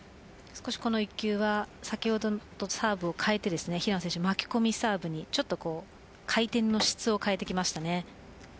少しこの１球は先ほどのサーブを変えて平野選手、巻き込みサーブに回転の質を変えてきました。